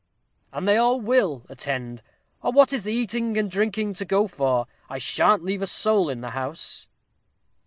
"And they all will attend, or what is the eating and drinking to go for? I sha'n't leave a soul in the house."